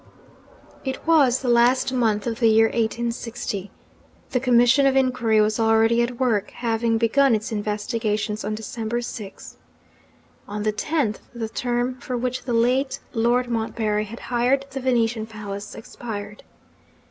It was the last month of the year 1860. The commission of inquiry was already at work; having begun its investigations on December 6. On the 10th, the term for which the late Lord Montbarry had hired the Venetian palace, expired.